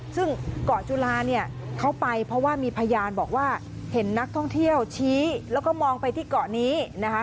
ซึ่งเกาะจุลาเนี่ยเขาไปเพราะว่ามีพยานบอกว่าเห็นนักท่องเที่ยวชี้แล้วก็มองไปที่เกาะนี้นะคะ